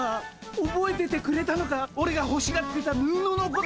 おぼえててくれたのかオレがほしがってた布のこと。